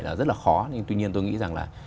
là rất là khó nhưng tuy nhiên tôi nghĩ rằng là